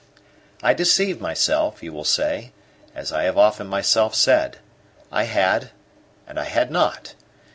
I deceived myself, you will say, as I have often myself said. I had and I had not.